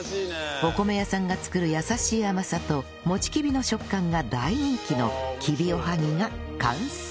お米屋さんが作る優しい甘さともちきびの食感が大人気のきびおはぎが完成